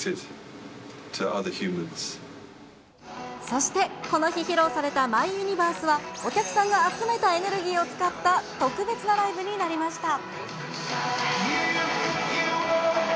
そして、この日披露された、ＭｙＵｎｉｖｅｒｓｅは、お客さんが集めたエネルギーを使った特別なライブになりました。